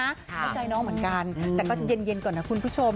เข้าใจน้องเหมือนกันแต่ก็เย็นก่อนนะคุณผู้ชม